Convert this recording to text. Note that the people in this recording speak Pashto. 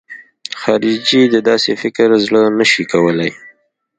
خارجي د داسې فکر زړه نه شي کولای.